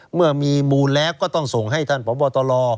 เมื่อมีมูลแล้วก็ต้องส่งให้ท่านพบตร